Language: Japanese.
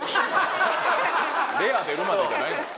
レア出るまでじゃないのよ